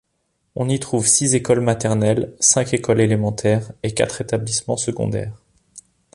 On y trouve six écoles maternelles, cinq écoles élémentaires et quatre établissements secondaires.